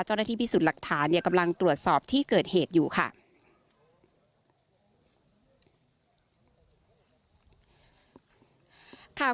เจ้าหน้าที่พิสูจน์หลักฐานเนี่ยกำลังตรวจสอบที่เกิดเหตุอยู่ค่ะ